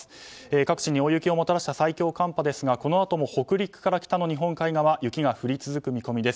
各地に大雪をもたらした最強寒波ですがこのあとも北陸から北の日本海側雪が降り続く見込みです。